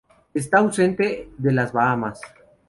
Está ausente de las Bahamas.